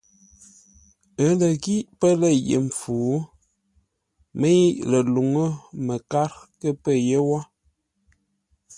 Ə́ lə ghí pə́ lə̂ ye mpfu, mə́i ləluŋú məkár kə́ pə̂ yé wó.